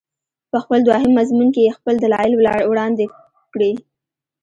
په خپل دوهم مضمون کې یې خپل دلایل وړاندې کړي.